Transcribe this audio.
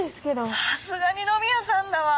さすが二宮さんだわ！